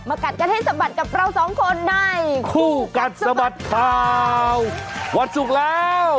มากัดกระเทศสะบัดกับเราสองคนในคู่กัดสะบัดข่าววันสุขแล้ว